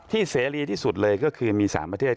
เสรีที่สุดเลยก็คือมี๓ประเทศ